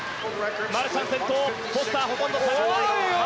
マルシャン先頭フォスターほとんど差がない。